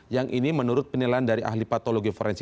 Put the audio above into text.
yang ini menurut penilaian dari ahli patologi forensik